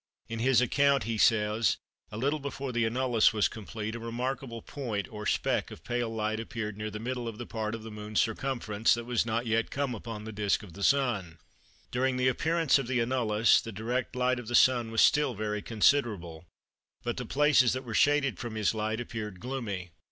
In his account he says:—"A little before the annulus was complete a remarkable point or speck of pale light appeared near the middle of the part of the Moon's circumference that was not yet come upon the disc of the Sun.... During the appearance of the annulus the direct light of the Sun was still very considerable, but the places that were shaded from his light appeared gloomy.